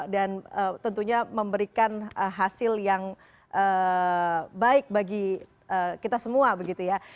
dan tentunya memberikan hasil yang baik bagi kita semua begitu ya